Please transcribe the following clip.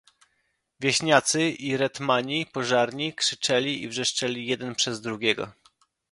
"Wieśniacy i retmani pożarni krzyczeli i wrzeszczeli jeden przez drugiego."